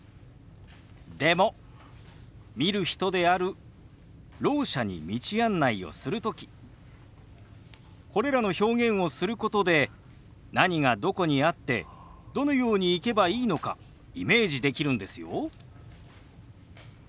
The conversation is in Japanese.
でも見る人であるろう者に道案内をする時これらの表現をすることで何がどこにあってどのように行けばいいのかイメージできるんですよ。